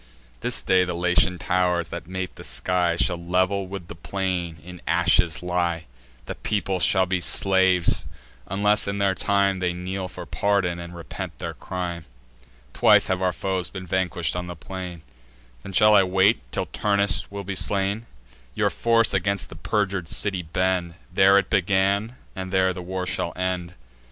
This day the Latian tow'rs, that mate the sky, Shall level with the plain in ashes lie: The people shall be slaves, unless in time They kneel for pardon, and repent their crime. Twice have our foes been vanquish'd on the plain: Then shall I wait till Turnus will be slain? Your force against the perjur'd city bend. There it began, and there the war shall end.